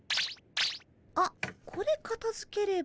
あっこれかたづければ。